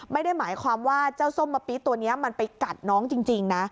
ไม่ได้หมายความว่าเจ้าส้มมะปิตัวนี้มันไปกัดน้องจริงนะ